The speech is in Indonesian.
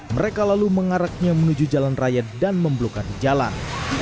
mereka lalu mengaraknya menuju jalan raya dan memblokade jalan